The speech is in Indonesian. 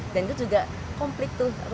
dan itu juga komplit tuh